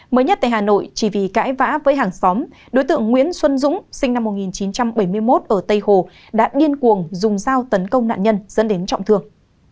mới nhất tại hà nội chỉ vì cãi vã với hàng xóm đối tượng nguyễn xuân dũng sinh năm một nghìn chín trăm bảy mươi một ở tây hồ đã điên cuồng dùng dao tấn công nạn nhân dẫn đến trọng thương